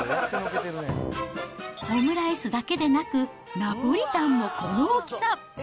オムライスだけでなく、ナポリタンもこの大きさ。